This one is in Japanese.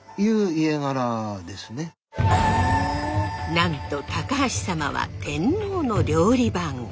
なんと高橋様は天皇の料理番。